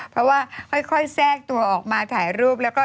เพราะว่าค่อยแทรกตัวออกมาถ่ายรูปแล้วก็